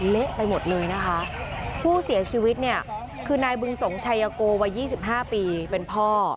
เละไปหมดเลยนะคะผู้เสียชีวิตเนี่ยคือนายบึงสงชัยโกวัย๒๕ปีเป็นพ่อ